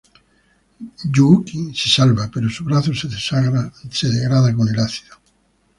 Yuuki se salva, pero su brazo se degrada con el ácido.